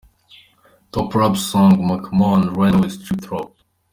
Top Rap Song: Macklemore & Ryan Lewis "Thrift Shop".